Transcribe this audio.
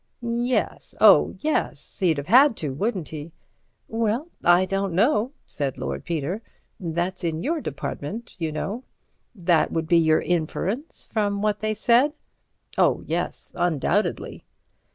"Yes—oh, yes—he'd have had to, wouldn't he?" "Well, I don't know," said Lord Peter. "That's in your department, you know. That would be your inference, from what they said." "Oh, yes. Undoubtedly."